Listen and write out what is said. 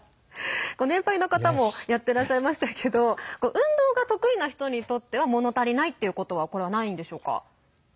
年配の方もやってらっしゃいましたけど運動が得意な人にとってはもの足りないっていうことはこれは、ないんでしょうか？